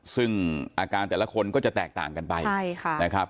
ซึ่งอาการแต่ละคนก็จะแตกต่างกันไปใช่ค่ะนะครับ